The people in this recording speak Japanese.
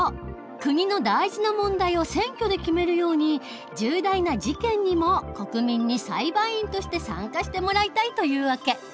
国の大事な問題を選挙で決めるように重大な事件にも国民に裁判員として参加してもらいたいという訳。